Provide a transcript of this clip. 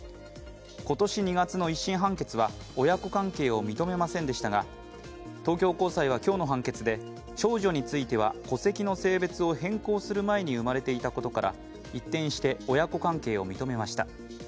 今年２月の１審判決は親子関係を認めませんでしたが、東京高裁は今日の判決で、長女については戸籍の性別を変更する前に生まれていたことから一転して親子関係を認めました。